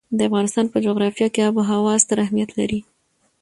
د افغانستان په جغرافیه کې آب وهوا ستر اهمیت لري.